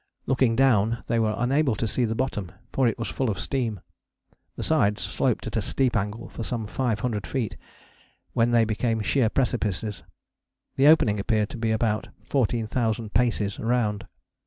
Looking down they were unable to see the bottom, for it was full of steam: the sides sloped at a steep angle for some 500 feet, when they became sheer precipices: the opening appeared to be about 14,000 paces round.